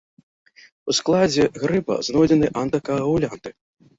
У складзе грыба знойдзены антыкаагулянты.